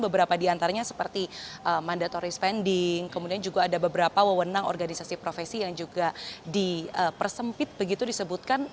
beberapa di antaranya seperti mandatory spending kemudian juga ada beberapa wewenang organisasi profesi yang juga dipersempit begitu disebutkan